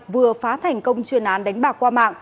vừa phá thành công chuyên án đánh bạc qua mạng